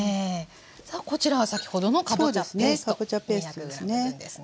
さあこちら先ほどのかぼちゃペースト２００ｇ使うんですね。